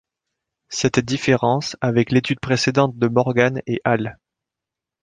Cette différence avec l’étude précédente de Morgan et al.